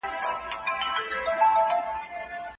اساسي قانون د وګړو د حقونو ساتنه څنګه کوي؟